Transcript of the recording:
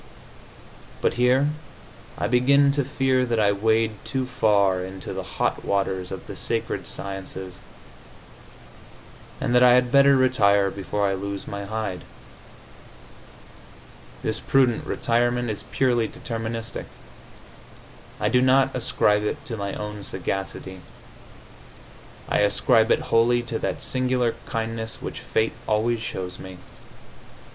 But here I begin to fear that I wade too far into the hot waters of the sacred sciences, and that I had better retire before I lose my hide. This prudent retirement is purely deterministic. I do not ascribe it to my own sagacity; I ascribe it wholly to that singular kindness which fate always shows me.